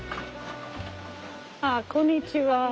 ああこんにちは。